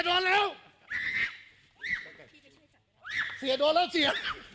ว้าวว้าวอ๊ะ